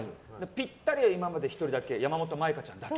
ピッタリは今まで１人だけ山本舞香ちゃんだけ。